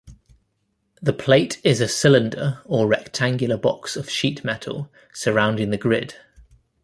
The plate is a cylinder or rectangular box of sheet metal surrounding the grid.